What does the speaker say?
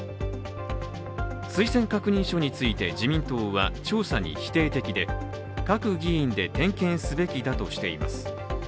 推薦確認書について自民党は調査に否定的で各議員で点検すべきだとしています。